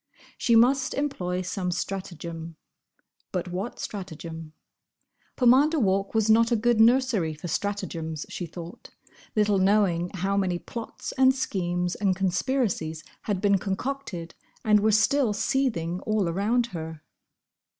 She must employ some stratagem. But what stratagem? Pomander Walk was not a good nursery for stratagems, she thought, little knowing how many plots and schemes and conspiracies had been concocted and were still seething all around her.